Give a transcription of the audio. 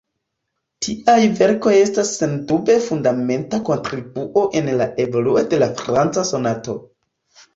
Tiaj verkoj estas sendube fundamenta kontribuo en la evoluo de la franca sonato.